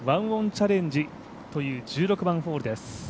１オンチャレンジという１６番ホールです。